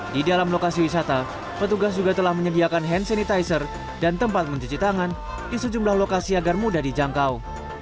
di dalam lokasi wisata petugas juga telah menyediakan hand sanitizer dan tempat mencuci tangan di sejumlah lokasi agar mudah dijangkau